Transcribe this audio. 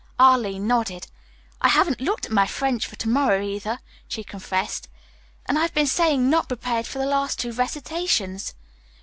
Arline nodded. "I haven't looked at my French for to morrow, either," she confessed, "and I've been saying 'not prepared' for the last two recitations.